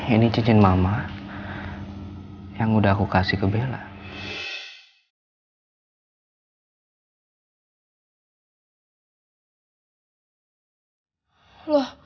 ini cincin mama yang udah aku kasih ke bella